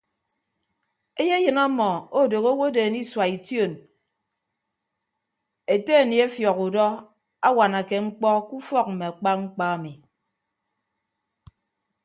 Eyeyịn ọmọ odooho owodeen isua ition ete aniefiọk udọ awanake mkpọ ke ufọk mme akpa mkpa ami.